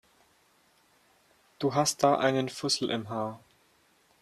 Du hast da einen Fussel im Haar.